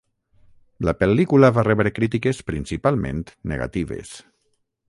La pel·lícula va rebre crítiques principalment negatives.